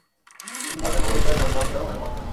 কিন্তু কোয়ান্টাম বলবিদ্যার ধারক-বাহকেরাও হারার পাত্র নয়।